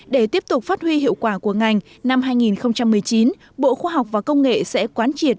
để tiếp tục phát huy hiệu quả của ngành năm hai nghìn một mươi chín bộ khoa học và công nghệ sẽ quán triệt